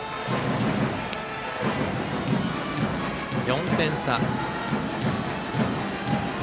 ４点差。